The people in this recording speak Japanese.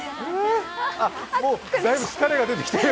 もうだいぶ疲れが出てきてる。